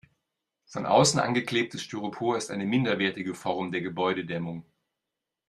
Von außen angeklebtes Styropor ist eine minderwertige Form der Gebäudedämmung.